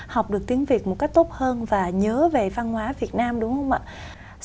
học được tiếng việt một cách tốt hơn và nhớ về văn hóa việt nam đúng không ạ